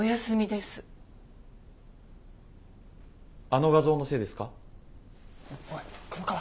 あの画像のせいですか？